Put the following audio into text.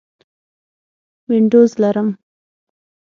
وینډوز لرم